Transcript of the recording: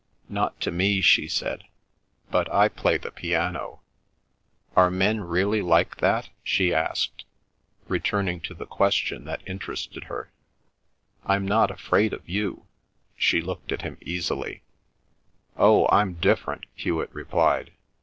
"Not to me," she said. "But I play the piano. ... Are men really like that?" she asked, returning to the question that interested her. "I'm not afraid of you." She looked at him easily. "Oh, I'm different," Hewet replied.